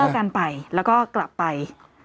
ยกเลิกกันไปแล้วก็กลับไป